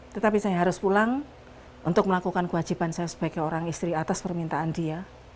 tetapi saya harus pulang untuk melakukan kewajiban saya sebagai orang istri atas permintaan dia